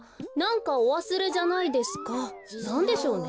なんでしょうね？